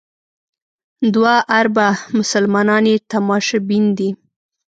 دوه اربه مسلمانان یې تماشبین دي.